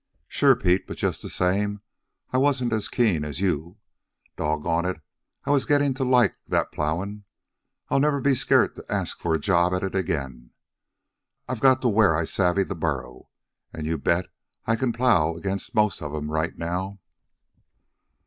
"Sure, Pete; but just the same I wasn't as keen as you. Doggone it, I was gettin' to like that plowin'. I'll never be scairt to ask for a job at it again. I've got to where I savvy the burro, an' you bet I can plow against most of 'm right now."